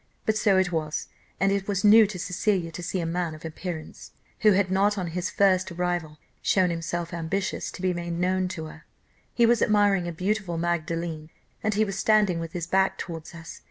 But so it was and it was new to Cecilia to see a man of his appearance who had not on his first arrival shown himself ambitious to be made known to her. He was admiring a beautiful Magdalene, and he was standing with his back towards us.